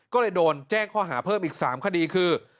ก็เลยโดนแจ้งข้อหาเพิ่มอีก๓คดีคือ